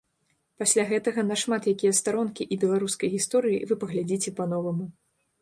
Пасля гэтага на шмат якія старонкі і беларускай гісторыі вы паглядзіце па-новаму.